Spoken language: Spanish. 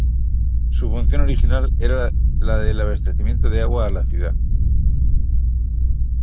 Su función original era la del abastecimiento de agua de la ciudad.